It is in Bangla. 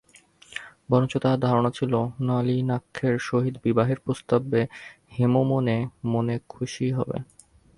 বরঞ্চ তাঁহার ধারণা ছিল, নলিনাক্ষের সহিত বিবাহের প্রস্তাবে হেম মনে মনে খুশিই হইবে।